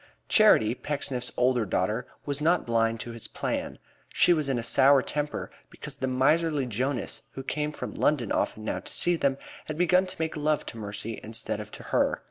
Charity, Pecksniff's older daughter, was not blind to his plan. She was in a sour temper because the miserly Jonas, who came from London often now to see them, had begun to make love to Mercy instead of to her.